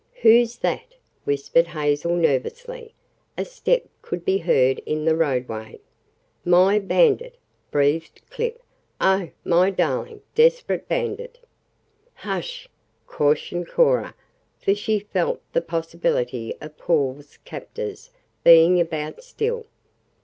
"Who's that?" whispered Hazel nervously. A step could be heard in the roadway. "My bandit!" breathed Clip. "Oh, my darling, desperate bandit!" "Hush!" cautioned Cora, for she felt the possibility of Paul's captors being about still.